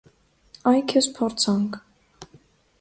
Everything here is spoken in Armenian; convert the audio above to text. Այ քեզ փորձանք։